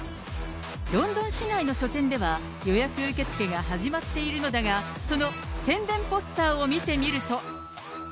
ロンドン市内の書店では、予約受け付けが始まっているのだが、その宣伝ポスターを見てみると。